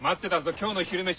今日の昼飯